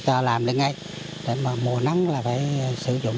cho làm đi ngay để mà mùa nắng là phải sử dụng